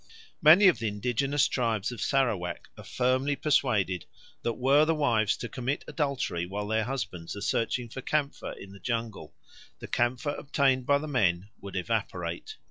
Many of the indigenous tribes of Sarawak are firmly persuaded that were the wives to commit adultery while their husbands are searching for camphor in the jungle, the camphor obtained by the men would evaporate.